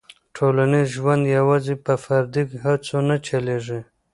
ټولنیز ژوند یوازې په فردي هڅو نه چلېږي.